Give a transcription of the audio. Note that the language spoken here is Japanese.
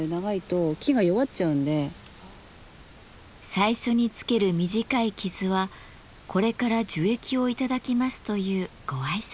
最初につける短い傷はこれから樹液を頂きますというご挨拶。